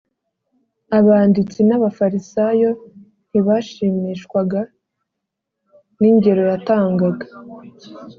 abanditsi n’abafarisayo ntibashimishwaga n’ingero yatangaga